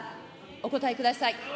お答えください。